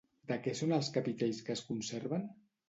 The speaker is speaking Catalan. De què són els capitells que es conserven?